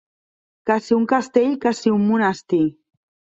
Que si un castell, que si un monestir.